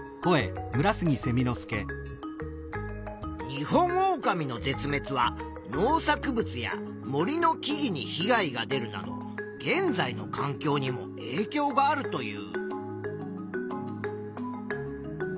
ニホンオオカミの絶滅は農作物や森の木々にひ害が出るなど現在のかん境にもえいきょうがあるという。